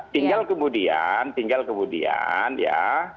tinggal kemudian tinggal kemudian ya